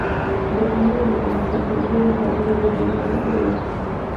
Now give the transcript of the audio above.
Depende de la Consejería de Salud del Gobierno de La Rioja.